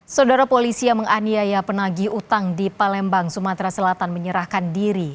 saudara polisi yang menganiaya penagi utang di palembang sumatera selatan menyerahkan diri